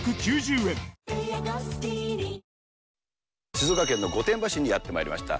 静岡県の御殿場市にやってまいりました。